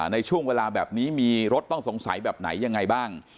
ในช่วงเวลาแบบนี้มีรถต้องสงสัยแบบไหนยังไงบ้าง